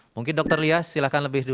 mungkin dr lia silahkan lebih dulu